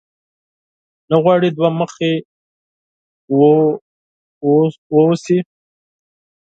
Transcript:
نه غواړې دوه مخی واوسې؟